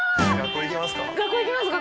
学校行きますか？